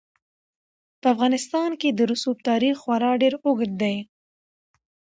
په افغانستان کې د رسوب تاریخ خورا ډېر اوږد دی.